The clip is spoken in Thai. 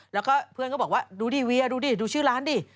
แล้วก็เพื่อนก็บอกว่าดูดิเวียดูดิดูชื่อร้านดิ